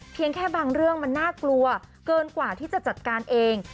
เพียงแค่บางเรื่องมันน่ากลัวเกินกว่าที่จะจัดการเอง